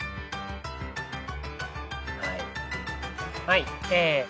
はい。